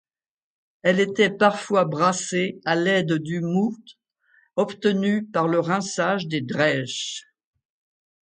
Elle était parfois brassée à l'aide du moût obtenu par le rinçage des drêches.